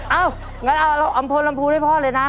เอ้าอย่างนั้นเอาอำพลลำพูนให้พ่อเลยนะ